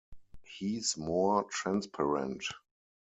He's more transparent!